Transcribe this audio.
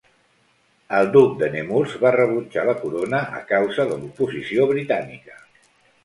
El duc de Nemours va rebutjar la corona a causa de l'oposició britànica.